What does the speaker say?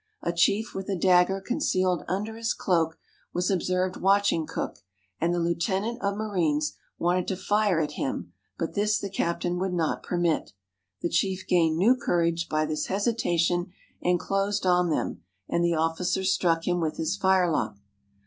A chief with a dagger concealed imder his cloak was observed watching Cook, and the lieutenant of marines wanted to fire at him, but this the captain would not permit. The chief gained new courage by this hesitation, and closed on them, and the officer struck him with his firelock.